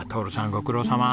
ご苦労さま。